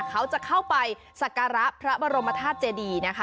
เขาจะเข้าไปสักการะพระบรมธาตุเจดีนะคะ